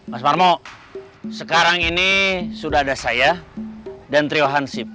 mas marmo sekarang ini sudah ada saya dan triwansip